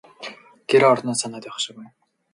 Гэр орноо санаад байх шиг байна.